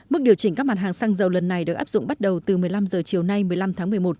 mức điều chỉnh các mặt hàng xăng dầu lần này được áp dụng bắt đầu từ một mươi năm h chiều nay một mươi năm tháng một mươi một